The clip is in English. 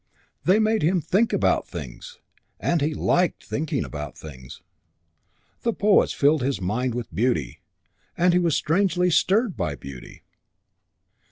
They made him think about things, and he liked thinking about things; the poets filled his mind with beauty, and he was strangely stirred by beauty.